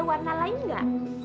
warna lain gak